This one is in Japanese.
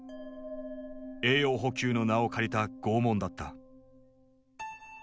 栄養補給の名を借りた拷問だった。